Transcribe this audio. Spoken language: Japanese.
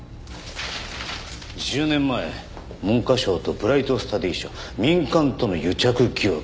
１０年前「文科省とブライトスタディ社民間との癒着疑惑」。